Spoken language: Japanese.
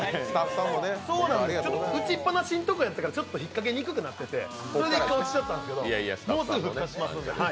打ちっぱなしのところだったからちょっと引っかけにくくなっててそれで一回落ちちゃったんですけど、また飾るんで。